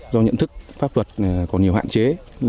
do nhận thức pháp luật có nhiều hạn chế